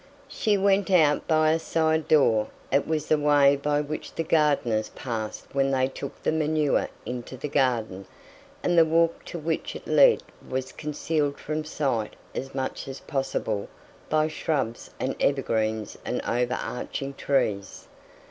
She went out through a side door it was the way by which the gardeners passed when they took the manure into the garden and the walk to which it led was concealed from sight as much as possible by shrubs and evergreens and over arching trees.